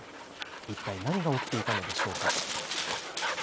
一体何が起きていたのでしょうか。